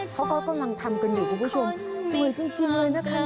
เขากำลังทำกันอยู่ทุกวิดีโชว์สวยจริงจริงเลยนะคะเนี้ย